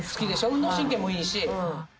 運動神経もいいし。